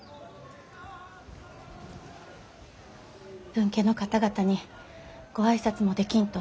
分家の方々にご挨拶もできんと。